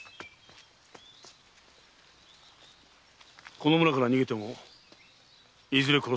この村から逃げてもいずれ殺される。